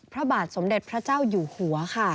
พระบาทสมเด็จพระเจ้าอยู่หัวค่ะ